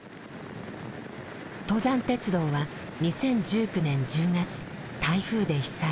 登山鉄道は２０１９年１０月台風で被災。